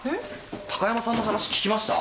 高山さんの話聞きました？